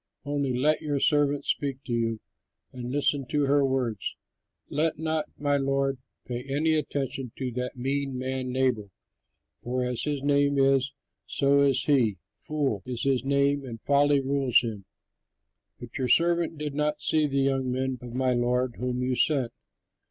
Only let your servant speak to you, and listen to her words. Let not my lord pay any attention to that mean man Nabal, for as his name is, so is he. 'Fool' is his name and folly rules him. But your servant did not see the young men of my lord, whom you sent.